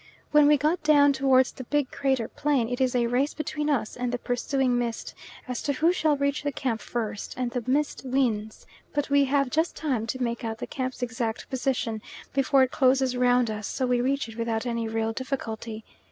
When we get down towards the big crater plain, it is a race between us and the pursuing mist as to who shall reach the camp first, and the mist wins, but we have just time to make out the camp's exact position before it closes round us, so we reach it without any real difficulty.